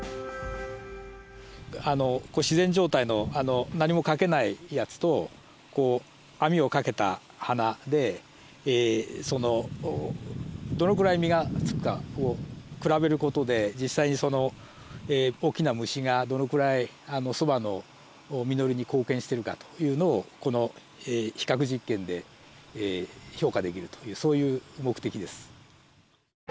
自然状態の何もかけないやつとこう網をかけた花でどのくらい実がつくかを比べる事で実際に大きな虫がどのくらいそばの実りに貢献してるかというのをこの比較実験で評価できるというそういう目的です。